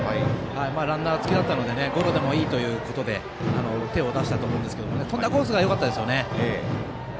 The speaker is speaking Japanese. ランナーつきだったのでゴロでもいいということで手を出したと思うんですけど飛んだコースがよかったですね。